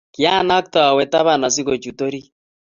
kyanakte awe taban asigochut orit